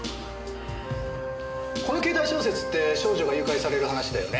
このケータイ小説って少女が誘拐される話だよね？